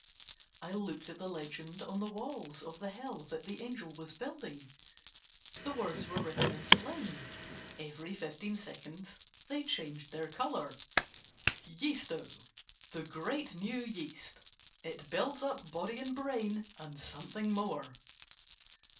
I looked at the legend on the walls of the hell that the angel was building, the words were written in flame, every fifteen seconds they changed their color, "Yeasto, the great new yeast, it builds up body and brain, and something more."